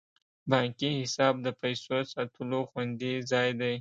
بانکي حساب د پیسو ساتلو خوندي ځای دی.